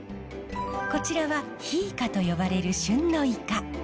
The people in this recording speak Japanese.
こちらはヒイカと呼ばれる旬のイカ。